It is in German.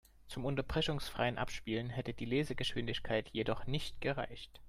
Zum unterbrechungsfreien Abspielen hätte die Lesegeschwindigkeit jedoch nicht gereicht.